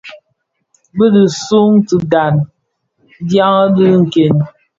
Bi dhi suň dhighan dya dhi nken.